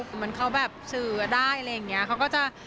เหมือนเขาแบบสื่อได้อะไรอย่างนี้